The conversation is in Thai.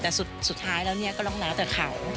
แต่สุดท้ายแล้วเนี่ยก็ต้องแล้วแต่เขา